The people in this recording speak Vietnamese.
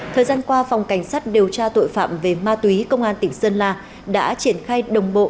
thời gian qua phòng cảnh sát điều tra tội phạm về ma túy công an tỉnh sơn la đã triển khai đồng bộ